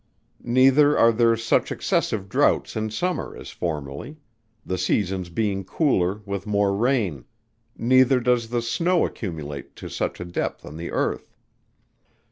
Neither are there such excessive droughts in summer, as formerly; the seasons being cooler, with more rain; neither does the snow accumulate to such a depth on the earth.